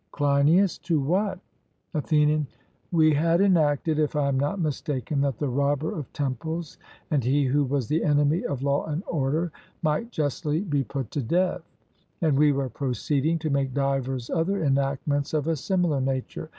CLEINIAS: To what? ATHENIAN: We had enacted, if I am not mistaken, that the robber of temples, and he who was the enemy of law and order, might justly be put to death, and we were proceeding to make divers other enactments of a similar nature.